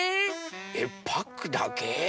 えっパックだけ？